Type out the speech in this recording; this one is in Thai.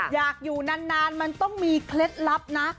อยากอยู่นานมันต้องมีเคล็ดลับนะ